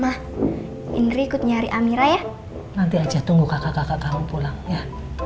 ah indri ikut nyari amira ya nanti aja tunggu kakak kakak kamu pulang ya